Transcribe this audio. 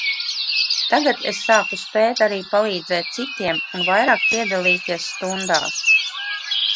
Tagad es sāku spēt arī palīdzēt citiem un vairāk piedalīties stundās.